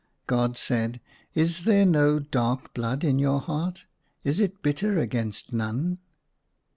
God said, "Is there no dark blood in your heart ; is it bitter against none